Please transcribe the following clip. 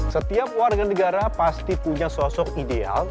setiap warga negara pasti punya sosok ideal